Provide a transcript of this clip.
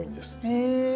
へえ！